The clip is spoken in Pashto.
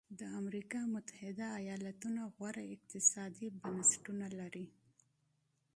د امریکا متحده ایالتونو غوره اقتصادي بنسټونه لري.